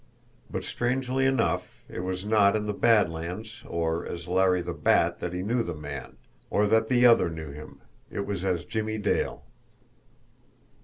But, strangely enough, it was not in the Bad Lands or as Larry the Bat that he knew the man, or that the other knew him it was as Jimmie Dale.